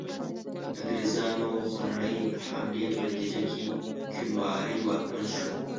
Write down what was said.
د انګریزانو خونړۍ حملې په نتیجه کې کیوناري واکمن شو.